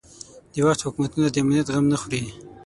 د وخت حکومتونه د امنیت غم نه خوري.